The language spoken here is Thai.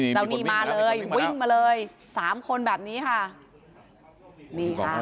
เจ้านี่มาเลยวิ่งมาเลย๓คนแบบนี้ค่ะ